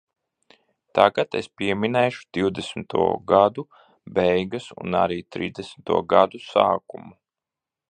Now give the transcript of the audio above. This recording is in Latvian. Tagad es pieminēšu divdesmito gadu beigas un arī trīsdesmito gadu sākumu.